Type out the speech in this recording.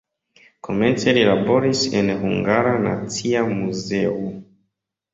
Komence li laboris en Hungara Nacia Muzeo.